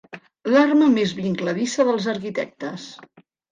L'arma més vincladissa dels arquitectes.